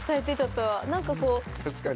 確かに。